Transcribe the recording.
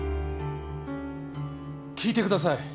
聞いてください。